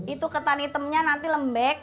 itu ketan hitamnya nanti lembek